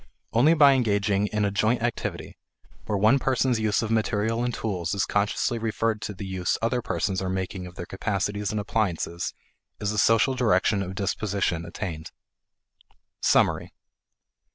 Only by engaging in a joint activity, where one person's use of material and tools is consciously referred to the use other persons are making of their capacities and appliances, is a social direction of disposition attained. Summary.